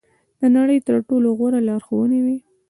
د نړۍ تر ټولو غوره لارښوونکې وي.